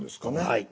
はい。